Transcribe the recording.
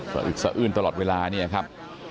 อึกสะอื้นตลอดเวลาเนี่ยครับ